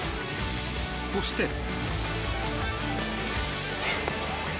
そして。